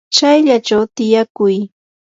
chayllachaw tiyakuy.